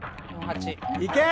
いけ！